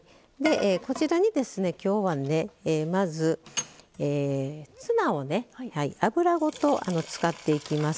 きょうは、まずツナを油ごと使っていきます。